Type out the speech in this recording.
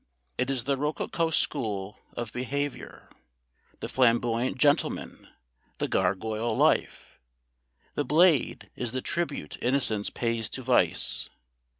It is the rococo school of behaviour, the flamboyant gentleman, the gargoyle life. The Blade is the tribute innocence pays to vice.